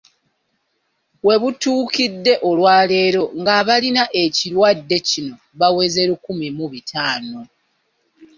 We butuukidde olwaleero ng'abalina ekirwadde kino baweze lukumi mu bitaano.